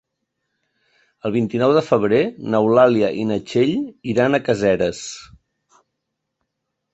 El vint-i-nou de febrer n'Eulàlia i na Txell iran a Caseres.